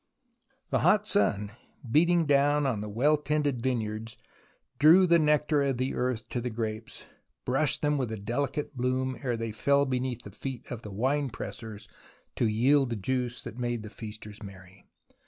The hot sun, beating down on the well tended vineyards, drew the nectar of the earth to the grapes, brushed them with a delicate bloom ere they fell beneath the feet of the winepressers to yield the juice that made the f casters merry.